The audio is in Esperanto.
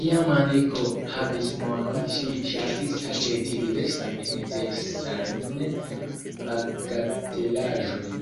Kiam Aniko havis monon ŝi ŝatis aĉeti diversajn nenecesajn bagatelaĵojn.